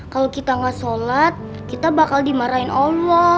kalau kita nggak sholat kita bakal dimarahin allah